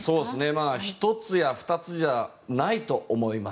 １つや２つじゃないと思います。